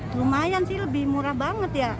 lumayan sih lebih murah banget ya